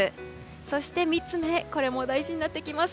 そして３つ目これも大事になってきます。